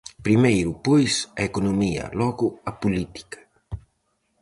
Primeiro, pois, a economía; logo, a política...